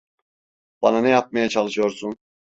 Bana ne yapmaya çalışıyorsun?